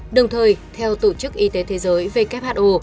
đồng thời theo tổ chức y tế thế giới về công an